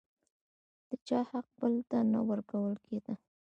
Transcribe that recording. د چا حق بل ته نه ورکول کېده.